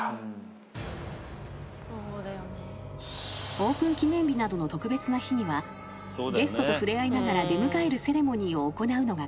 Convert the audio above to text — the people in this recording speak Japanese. ［オープン記念日などの特別な日にはゲストと触れ合いながら出迎えるセレモニーを行うのが慣例］